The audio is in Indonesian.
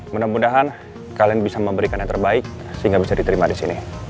mudah mudahan kalian bisa memberikan yang terbaik sehingga bisa diterima di sini